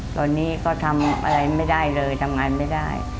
ตอนนี้ก็ทำอะไรไม่ได้เลยทำงานไม่ได้